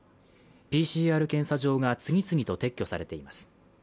ＰＣＲ検査場が次々と撤去されています